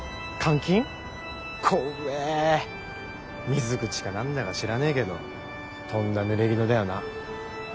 水口か何だか知らねえけどとんだぬれぎぬだよな。